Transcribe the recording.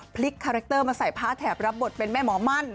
คาแรคเตอร์มาใส่ผ้าแถบรับบทเป็นแม่หมอมั่น